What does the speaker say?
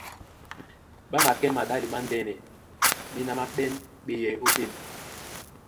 Ɓá makɛ́ maɗále mándɛ́nɛ, méná má ɓɛ́n ɓeyɛy ótétěn.